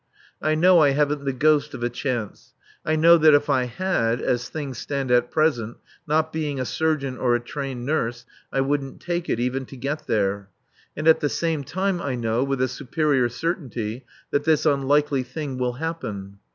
I know I haven't the ghost of a chance; I know that if I had as things stand at present not being a surgeon or a trained nurse, I wouldn't take it, even to get there. And at the same time I know, with a superior certainty, that this unlikely thing will happen.